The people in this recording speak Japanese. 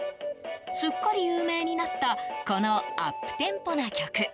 すっかり有名になったこのアップテンポな曲。